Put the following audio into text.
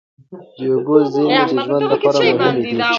د اوبو زېرمې د ژوند لپاره مهمې دي.